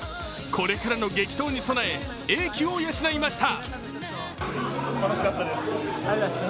これからの激闘に備え英気を養いました。